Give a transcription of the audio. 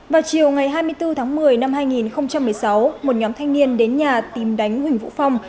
vào chiều ngày hai mươi bốn tháng một mươi năm hai nghìn một mươi sáu một nhóm thanh niên đến nhà tìm đánh huỳnh vũ phong